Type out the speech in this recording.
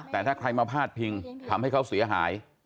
แต่ถ้าใครมาพาดพิงทำให้เขาเสียหาย